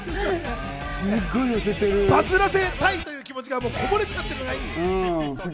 バズらせたいという気持ちがこぼれちゃってるね。